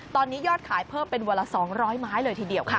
ตอนนี้ยอดขายเพิ่มเป็นวันละ๒๐๐ไม้เลยทีเดียวค่ะ